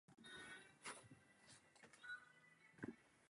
She had a body guard and was high up in the following.